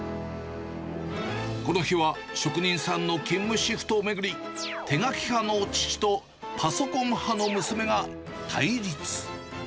この日は、職人さんの勤務シフトを巡り、手書き派の父とパソコン派の娘が対立。